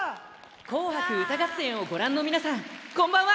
「紅白歌合戦」をご覧の皆さん、こんばんは！